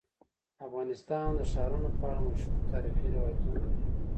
افغانستان د ښارونه په اړه مشهور تاریخی روایتونه لري.